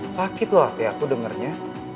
sakit loh hati aku dengernya